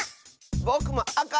ぼくもあか！